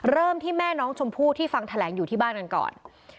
เริ่มที่แม่น้องชมพู่ที่ฟังแถลงอยู่ที่บ้านกันก่อน